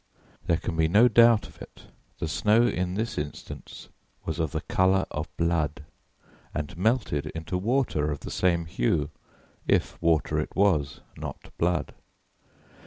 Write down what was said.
There can be no doubt of it the snow in this instance was of the colour of blood and melted into water of the same hue, if water it was, not blood.